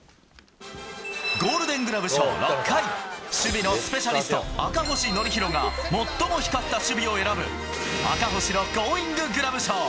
ゴールデングラブ賞６回、守備のスペシャリスト、赤星憲広が最も光った守備を選ぶ、赤星のゴーインググラブ賞。